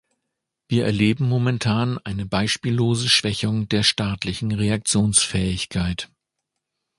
Wir erleben momentan eine beispiellose Schwächung der staatlichen Reaktionsfähigkeit.